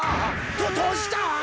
どどうした？